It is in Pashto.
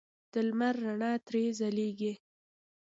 د لمر رڼا ترې ځلېږي.